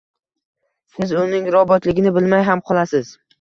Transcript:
Siz uning robotligini bilmay ham qolasiz.